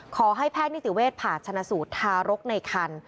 ขอให้แพทย์นิติเวชผ่าชนะสูตรทารกในคัน